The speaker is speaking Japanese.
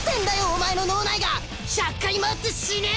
お前の脳内が１００回回って死ね！